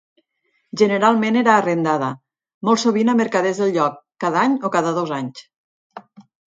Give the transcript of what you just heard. Generalment era arrendada, molt sovint a mercaders del lloc, cada any o cada dos anys.